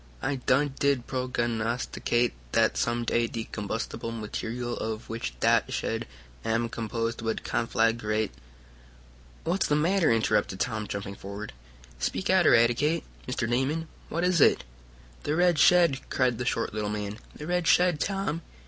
"I done did prognosticate dat some day de combustible material of which dat shed am composed would conflaggrate " "What's the matter?" interrupted Tom, jumping forward. "Speak out! Eradicate! Mr. Damon, what is it?" "The red shed!" cried the short little man. "The red shed, Tom!"